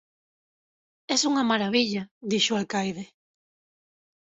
es unha marabilla −dixo o alcaide−.